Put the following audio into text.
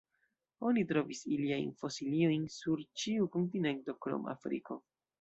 Oni trovis iliajn fosiliojn sur ĉiu kontinento krom Afriko.